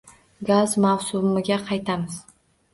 Gaz mavzusiga qaytamiz.